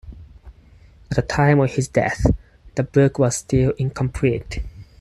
At the time of his death, the book was still incomplete.